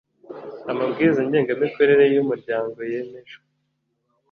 Amabwiriza ngengamikorere y’ umuryango yemejwe